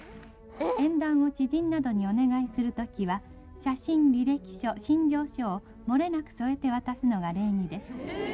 縁談を知人などにお願いするときは、写真、履歴書、身上書を漏れなく添えて渡すのが礼儀です。